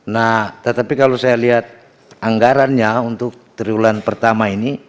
nah tetapi kalau saya lihat anggarannya untuk triwulan pertama ini